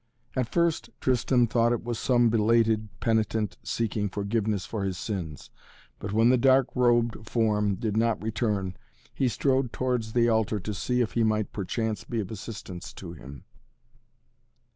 At first Tristan thought it was some belated penitent seeking forgiveness for his sins, but when the dark robed form did not return he strode towards the altar to see if he might perchance be of assistance to him.